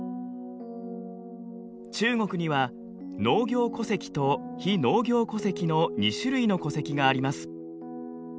中国には農業戸籍と非農業戸籍の２種類の戸籍があります。